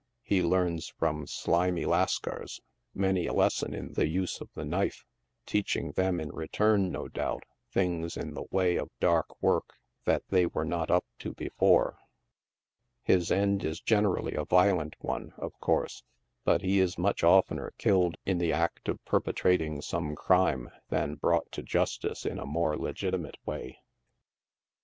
He learns from slimy Lascars many a lesson in the use of the knife, teaching them in return, no doubt, things in the way of dark work that they were not up to before. His end is gen erally a violent one, of course, but he is much offcener killed in the act of perpetrating some crime, than brought to justice in a more legitimate way.